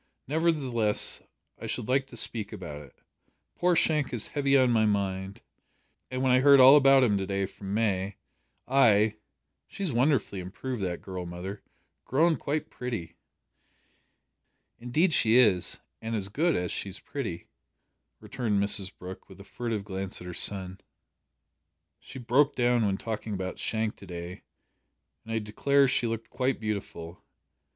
Nevertheless, I should like to speak about it. Poor Shank is heavy on my mind, and when I heard all about him to day from May, I . She's wonderfully improved, that girl, mother. Grown quite pretty?" "Indeed she is and as good as she's pretty," returned Mrs Brooke, with a furtive glance at her son. "She broke down when talking about Shank to day, and I declare she looked quite beautiful!